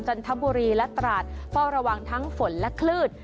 จันทบุรีและตราดเฝ้าระวังทั้งฝนและคลื่น